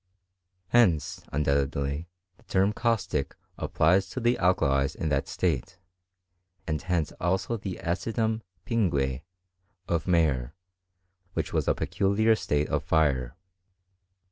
Henoa( undoubtedly, the term caustic applied to the alkalM in that state, and hence also the acidum pingne ot Mayer, which was a peculiar state of fire.